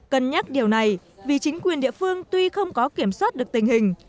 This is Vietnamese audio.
cân nhắc điều này vì chính quyền địa phương tuy không có kiểm soát được tình hình